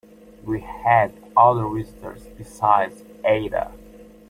We had other visitors besides Ada.